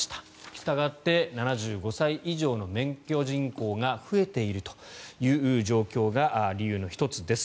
したがって７５歳以上の免許人口が増えているという状況が理由の１つです。